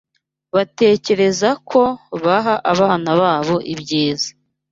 Batekereza ko baha abana babo ibyiza